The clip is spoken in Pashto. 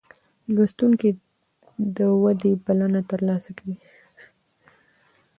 لوستونکی د ودې بلنه ترلاسه کوي.